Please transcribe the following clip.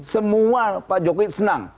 semua pak jokowi senang